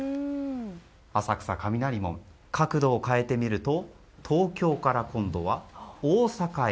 浅草・雷門角度を変えてみると東京から今度は大阪へ。